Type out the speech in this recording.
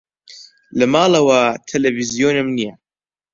لە ماڵەوە تەلەڤیزیۆنم نییە.